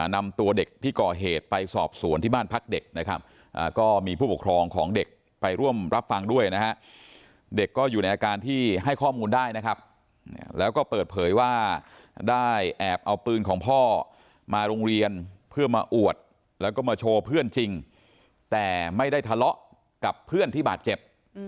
นำตัวเด็กที่ก่อเหตุไปสอบสวนที่บ้านพักเด็กนะครับก็มีผู้ปกครองของเด็กไปร่วมรับฟังด้วยนะฮะเด็กก็อยู่ในอาการที่ให้ข้อมูลได้นะครับแล้วก็เปิดเผยว่าได้แอบเอาปืนของพ่อมาโรงเรียนเพื่อมาอวดแล้วก็มาโชว์เพื่อนจริงแต่ไม่ได้ทะเลาะกับเพื่อนที่บาดเจ็บ